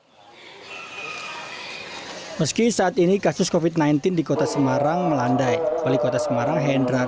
hai meski saat ini kasus covid sembilan belas di kota semarang melandai balik kota semarang hendra